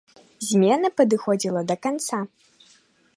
Змена падыходзіла да канца.